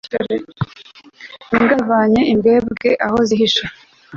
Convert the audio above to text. imbwa zavanye imbwebwe aho zihishe